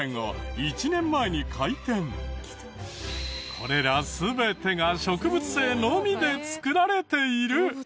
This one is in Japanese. これら全てが植物性のみで作られている！